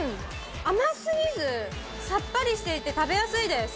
甘すぎず、さっぱりしていて食べやすいです。